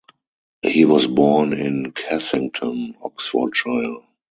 He was born in Cassington, Oxfordshire.